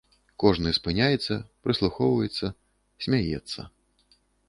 Кожны спыняецца, прыслухоўваецца, смяецца.